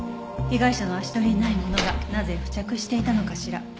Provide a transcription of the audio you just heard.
被害者の足取りにないものがなぜ付着していたのかしら。